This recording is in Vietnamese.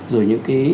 rồi những cái